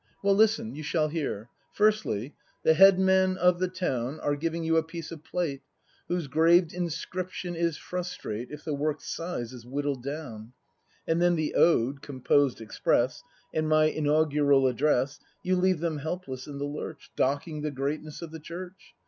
Well, listen, you shall hear. Firstly, the headmen of the town Are giving you a piece of plate, Whose graved inscription is frustrate If the work's size is whittled down; And then the Ode, composed express, And my inaugural address, — You leave them helpless in the lurch, Docking the greatness of the Church.